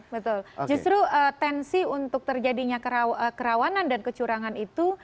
betul justru tensi untuk terjadinya kerawanan dan kecurangan itu